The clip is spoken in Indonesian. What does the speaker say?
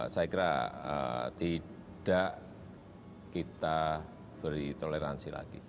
saya kira tidak kita beri toleransi lagi